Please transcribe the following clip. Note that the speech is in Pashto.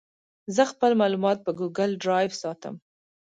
زه خپل معلومات په ګوګل ډرایو ساتم.